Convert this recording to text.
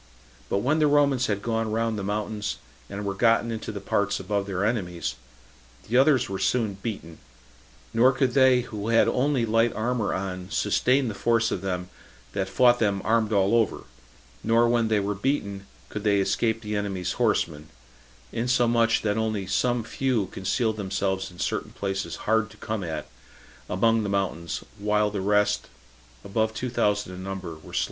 But when the Romans had gone round the mountains, and were gotten into the parts above their enemies, the others were soon beaten; nor could they who had only light armor on sustain the force of them that fought them armed all over; nor when they were beaten could they escape the enemies' horsemen; insomuch that only some few concealed themselves in certain places hard to be come at, among the mountains, while the rest, above two thousand in number, were slain.